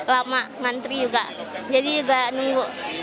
lama mantri juga jadi juga nunggu